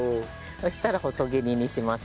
そしたら細切りにします。